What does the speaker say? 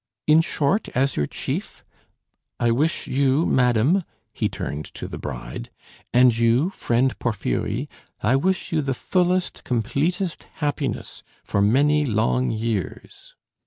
In short, as your chief ... I wish you, madam" (he turned to the bride), "and you, friend Porfiry, I wish you the fullest, completest happiness for many long years."